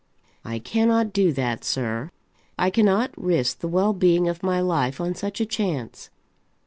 "I cannot do that, sir. I cannot risk the well being of my life on such a chance."